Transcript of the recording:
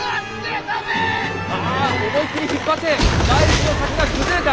思い切り引っ張って第１の柵が崩れた。